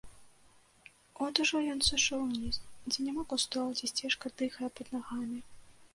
От ужо ён сышоў уніз, дзе няма кустоў, дзе сцежка дыхае пад нагамі.